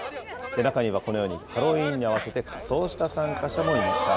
中にはこのようにハロウィーンに合わせて仮装した参加者もいました。